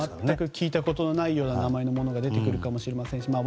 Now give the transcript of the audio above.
全く聞いたことがないようなものが出てくるかもしれませんし